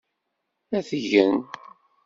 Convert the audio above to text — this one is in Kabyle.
Ad t-gen.